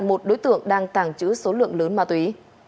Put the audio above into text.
một đối tượng đang tàng trữ số lượng lớn ma túy